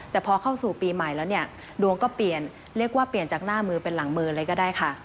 แต่พอเข้าสู่ปีใหม่แล้วเนี่ยดวงก็เปลี่ยนเรียกว่าเปลี่ยนจากหน้ามือเป็นหลังมือเลยก็ได้ค่ะ